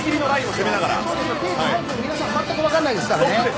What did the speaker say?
配分皆さん全くわからないですから。